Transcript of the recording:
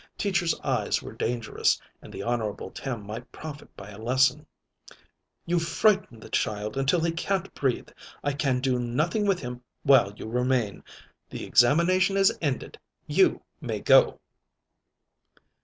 Teacher's eyes were dangerous, and the Honorable Tim might profit by a lesson. "You've frightened the child until he can't breathe. I can do nothing with him while you remain. The examination is ended. You may go."